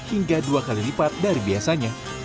hingga dua kali lipat dari biasanya